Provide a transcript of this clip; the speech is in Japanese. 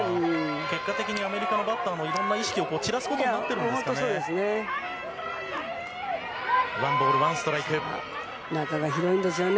結果的にアメリカのバッターのいろんな意識を散らすことになってますもんね。